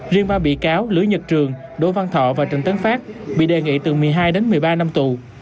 riêng ba bị cáo lưỡi nhật trường đỗ văn thọ và trần tấn phát bị đề nghị từ một mươi hai đến một mươi ba năm tù